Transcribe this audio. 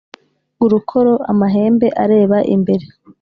urukoro: amahembe areba imbere;